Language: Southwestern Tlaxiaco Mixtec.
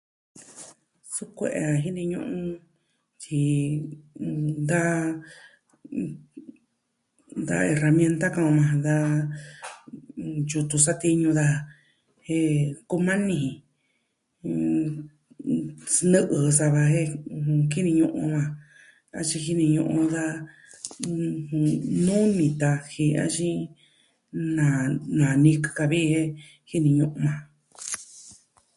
Suu kue'e jini ñu'un, jin da erramienta ka'an on majan da yutun satiñu daja jen kumani, eh... smɨ'ɨ sava jen kinoo o a ɨjɨn axin jini ñu'un da noo taji axin nanikɨn ka'vi jini nuu maa.